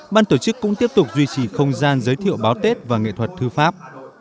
ban tổ chức cũng tiếp tục duy trì không gian giới thiệu báo tết và nghệ thuật thư pháp